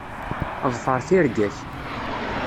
Ḍfeṛ tirga-k.